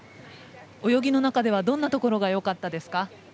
泳ぎの中ではどんなところがよかったですか？